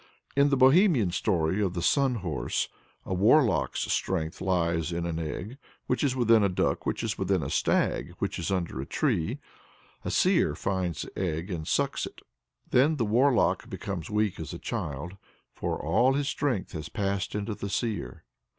In the Bohemian story of "The Sun horse" a Warlock's "strength" lies in an egg, which is within a duck, which is within a stag, which is under a tree. A Seer finds the egg and sucks it. Then the Warlock becomes as weak as a child, "for all his strength had passed into the Seer."